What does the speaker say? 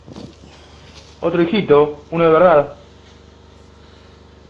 otro hijito. uno de verdad .